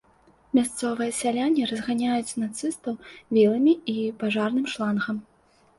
Мясцовыя сяляне разганяюць нацыстаў віламі і пажарным шлангам.